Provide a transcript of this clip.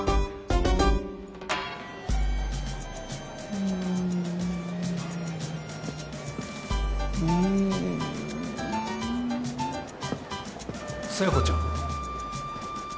うんうん佐弥子ちゃん？